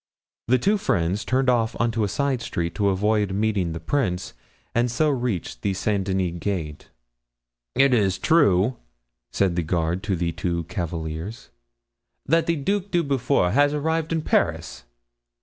The two friends turned off into a side street to avoid meeting the prince, and so reached the Saint Denis gate. "Is it true," said the guard to the two cavaliers, "that the Duc de Beaufort has arrived in Paris?"